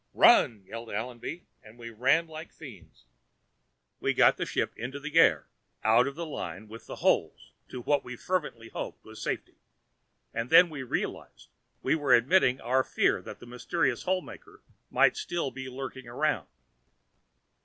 "Run!" yelled Allenby, and we ran like fiends. We got the ship into the air, out of line with the holes to what we fervently hoped was safety, and then we realized we were admitting our fear that the mysterious hole maker might still be lurking around.